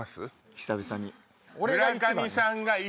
久々に。